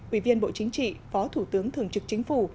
ủy viên bộ chính trị phó thủ tướng thường trực chính phủ